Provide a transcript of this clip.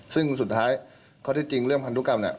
ซึ่งสุดท้ายข้อที่จริงเรื่องพันธุกรรมเนี่ย